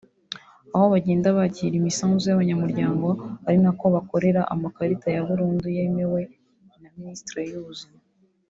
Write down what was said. aho bagenda bakira imisanzu y’abanyamuryango ari nako babakorera amakarita ya burundu yemewe na minisiteri y’ubuzima